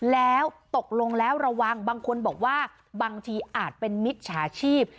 แล้วตกลงแล้วระวังบางคนบอกว่าบางทีอาจเป็นมิจฉาชีพ